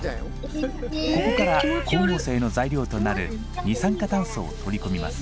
ここから光合成の材料となる二酸化炭素を取りこみます